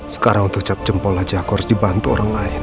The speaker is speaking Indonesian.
sekarang untuk cap jempol aja aku harus dibantu orang lain